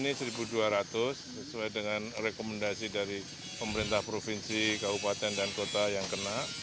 ini satu dua ratus sesuai dengan rekomendasi dari pemerintah provinsi kabupaten dan kota yang kena